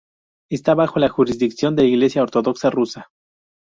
Está bajo la jurisdicción de la Iglesia ortodoxa rusa.